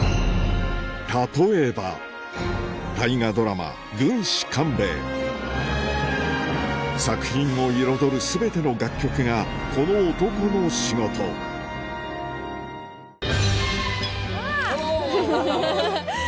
例えば作品を彩る全ての楽曲がこの男の仕事あぁ！